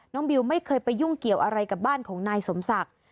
บิวไม่เคยไปยุ่งเกี่ยวอะไรกับบ้านของนายสมศักดิ์